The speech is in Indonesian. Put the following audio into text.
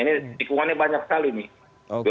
ini tikungannya banyak sekali nih dua ribu dua puluh empat